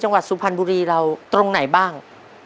จังหวัดสุพรรณบุรีเราตรงไหนบ้าง